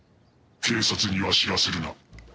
警察には知らせるな」